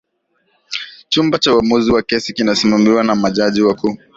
chumba cha uamuzi wa kesi kinasimamiwa na majaji wakuu